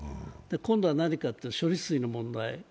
今度は何かって言うと処理水の問題。